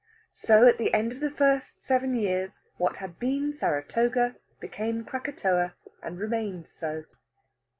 So at the end of the first seven years, what had been Saratoga became Krakatoa, and remained so.